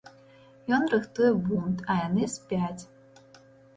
Ён рыхтуе бунт, а яны спяць.